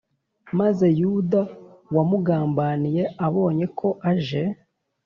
Maze Yuda wamugambaniye abonye ko aje